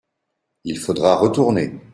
il faudra retourner.